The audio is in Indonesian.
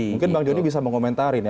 mungkin bang jony bisa mengomentarin ya